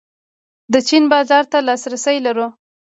د چین بازار ته لاسرسی لرو؟